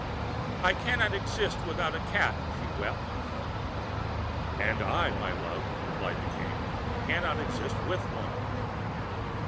"I cannot exist without a cat!" she wept. "And I, my love," replied the King, "cannot exist with one!"